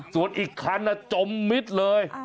ส่วนอีกคันจมมิดเลย